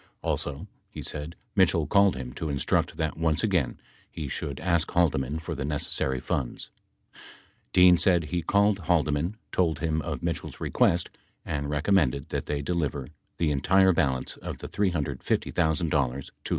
Also, he said, Mitchell called him to instruct that once again he should ask Haldeman for the necessary funds. Dean said he called Haldeman told him of Mitchell's request and recommended that they deliver the entire balance of the $350,000 to LaRue.